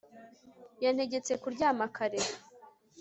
Yantegetse kuryama kare